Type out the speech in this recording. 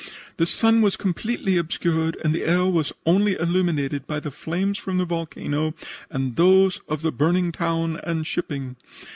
The sun was completely obscured, and the air was only illuminated by the flames from the volcano and those of the burning town and shipping.